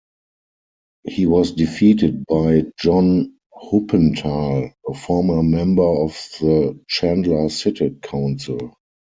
He was defeated by John Huppenthal, a former member of the Chandler City Council.